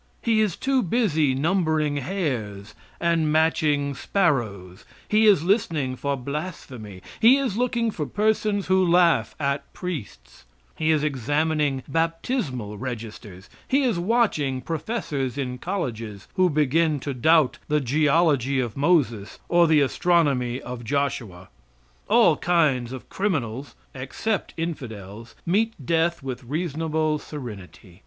He is too busy numbering hairs and matching sparrows; He is listening for blasphemy; He is looking for persons who laugh at priests; He is examining baptismal registers; He is watching professors in colleges who begin to doubt the geology of Moses or the astronomy of Joshua. All kinds of criminals, except infidels, meet death with reasonable serenity.